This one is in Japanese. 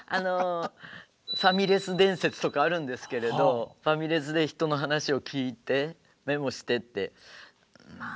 ファミレス伝説とかあるんですけれどファミレスで人の話を聞いてメモしてってま